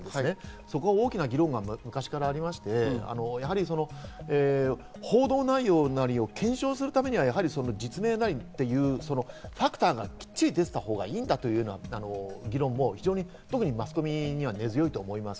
そこは大きな議論が昔からありまして、報道内容なりを検証するためには、実名なりというファクターがきっちり出ていたほうがいいんだという議論も、特にマスコミには根強いと思います。